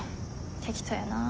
適当やなぁ。